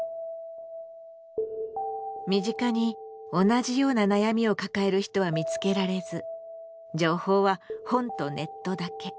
身近に同じような悩みを抱える人は見つけられず情報は本とネットだけ。